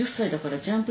ジャンプ！